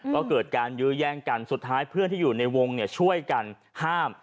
ก็เกิดการยื้อแย่งกันสุดท้ายเพื่อนที่อยู่ในวงช่วยกันห้าม